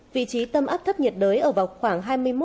vị trí tâm áp thấp nhiệt đới ở vào khoảng